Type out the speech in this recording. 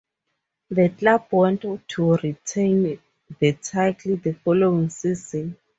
The club went on to retain the title the following season.